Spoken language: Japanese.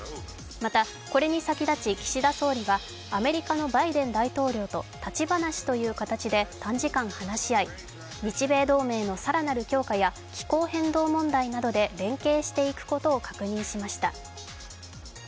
また、これに先立ち岸田総理はアメリカのバイデン大統領と立ち話という形で短時間話し合い、日米同盟の更なる強化や気候変動問題などで連携していくことを確認しました。